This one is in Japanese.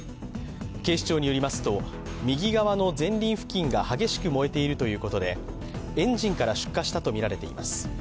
警視庁によりますと、右側の前輪付近が激しく燃えているということでエンジンから出火したとみられています。